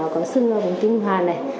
có xưng vào bóng tinh hoàn này